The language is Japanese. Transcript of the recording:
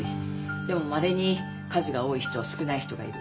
でもまれに数が多い人少ない人がいる。